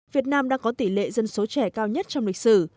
việt nam đang có tỷ lệ dân số trẻ cao nhất trong lịch sử